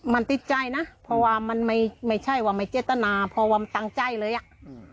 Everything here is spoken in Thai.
มันติดใจนะเพราะว่ามันไม่ใช่ว่าไม่เจตนาเพราะว่ามันตั้งใจเลยอ่ะอืม